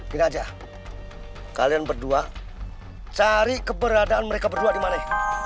gini aja kalian berdua cari keberadaan mereka berdua dimana